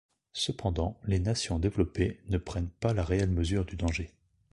Cependant, les nations développées ne prennent pas la réelle mesure du danger.